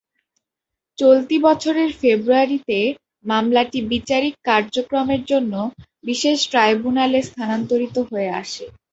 চলতি বছরের ফেব্রুয়ারিতে মামলাটি বিচারিক কার্যক্রমের জন্য বিশেষ ট্রাইব্যুনালে স্থানান্তরিত হয়ে আসে।